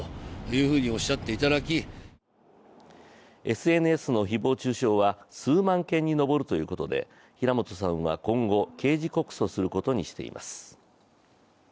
ＳＮＳの誹謗中傷は数万件に上るということで、平本さんは今後刑事告訴することにしています。